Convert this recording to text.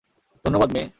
ধন্যবাদ, মে।